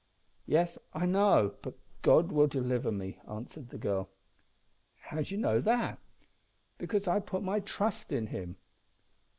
"Yes, I know; but God will deliver me," answered the girl. "How d'ye know that?" "Because I put my trust in Him."